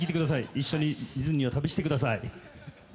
一緒にディズニーを旅してください。